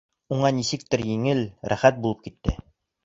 Уға нисектер еңел, рәхәт булып китте.